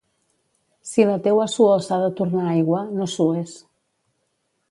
Si la teua suor s'ha de tornar aigua, no sues.